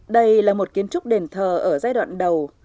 đây là một kiến trúc đền thờ ở giai đoạn đầu